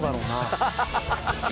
ハハハハ！